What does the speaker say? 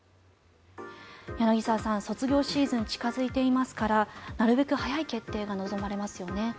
柳澤さん、卒業シーズン近付いていますからなるべく早い決定が望まれますよね。